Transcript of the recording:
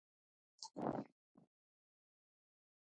ځنګلونه د افغانستان د ملي هویت نښه ده.